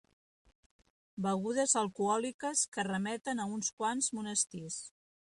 Begudes alcohòliques que remeten a uns quants monestirs.